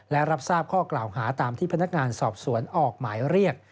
และรับทราบข้อกล่าวหาตามที่พนักงานสอบสวนออกหมายเรียก